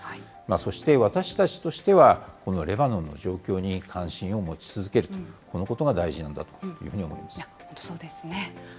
そして、私たちとしては、このレバノンの状況に関心を持ち続けると、このことが大事なんだというそうですね。